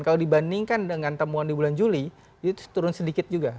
kalau dibandingkan dengan temuan di bulan juli itu turun sedikit juga